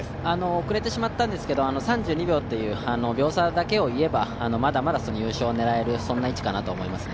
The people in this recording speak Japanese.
遅れてしまったんですけど、３２秒という秒差だけでいえばまだまだ優勝を狙える位置かなと思います。